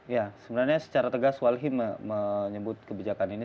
ya sebenarnya secara tegas walhi menyebut kebijakan ini